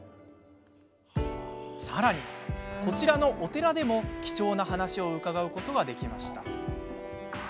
さらに、こちらのお寺でも貴重な話を伺うことができました。